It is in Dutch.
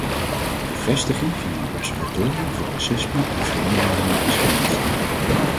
De vestiging van een observatorium voor racisme en vreemdelingenhaat is gewenst.